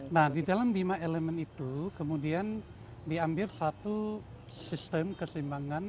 nah didalam lima elemen itu kemudian diambil satu sistem kesimbangan